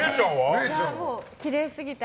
きれいすぎて。